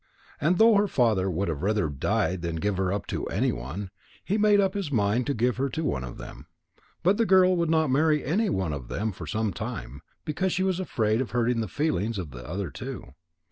And though her father would rather have died than give her up to anyone, he made up his mind to give her to one of them. But the girl would not marry any one of them for some time, because she was afraid of hurting the feelings of the other two.